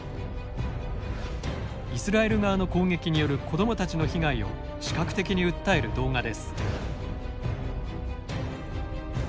イスラエル側の攻撃による子どもたちの被害を視覚的に訴える動画です。